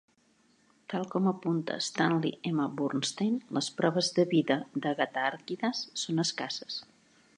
Tal com apunta Stanley M. Burstein, les proves de vida d'Agatàrquides són escasses.